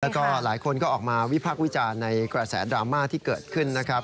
แล้วก็หลายคนก็ออกมาวิพากษ์วิจารณ์ในกระแสดราม่าที่เกิดขึ้นนะครับ